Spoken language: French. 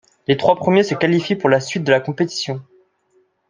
Les trois premiers se qualifient pour la suite de la compétition.